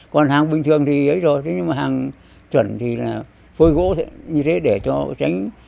còn hàng bình thường thì ấy rồi thế nhưng mà hàng chuẩn thì là phôi gỗ như thế để cho tránh